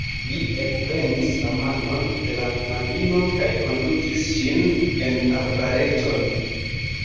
Li ekprenis la manon de la knabino kaj kondukis ŝin en arbareton.